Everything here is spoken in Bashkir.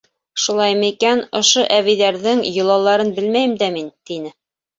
— Шулаймы икән, ошо әбейҙәрҙең йолаларын белмәйем дә мин, — тине.